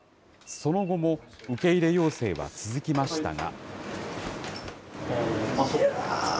その後も受け入れ要請は続きましたが。